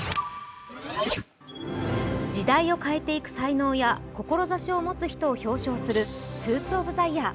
時代を変えていく才能や志を持つ人を表彰するスーツ・オブ・ザ・イヤー。